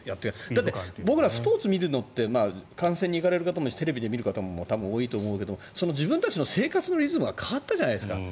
だって僕らスポーツを見るのって観戦に行かれる方もテレビで見られる方も多分、多いと思うけど自分たちの生活のリズムが変わったじゃないですか。